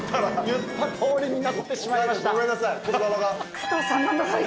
言ったとおりになってしまいました。